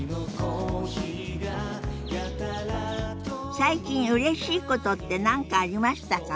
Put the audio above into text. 最近うれしいことって何かありましたか？